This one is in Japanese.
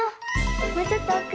もうちょっとおく。